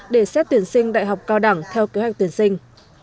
để xét tuyển sinh đại học cao đẳng theo kế hoạch tuyển sinh